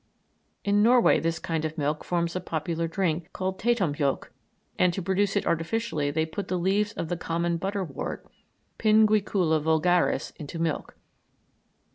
In Norway this kind of milk forms a popular drink called Taettemjolk, and to produce it artificially they put the leaves of the common butter wort (Pinguicula vulgaris) into milk.